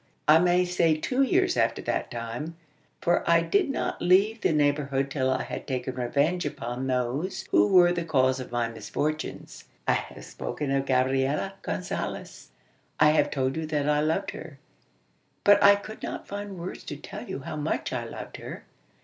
I may say two years after that time; for I did not leave the neighbourhood till I had taken revenge upon those who were the cause of my misfortunes. I have spoken of Gabriella Gonzales. I have told you that I loved her; but I could not find words to tell you how much I loved her.